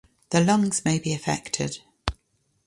The lungs may be affected.